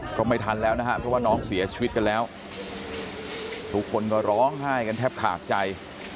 ก็ไม่ทันแล้วนะครับเพราะว่าน้องเสียชีวิตกันแล้วทุกคนก็ร้องไห้กันแทบขาดใจ